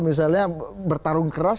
misalnya bertarung keras